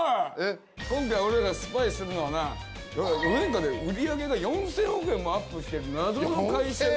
今回俺らがスパイするのはな４年間で売り上げが４０００億円もアップしてる謎の会社だ。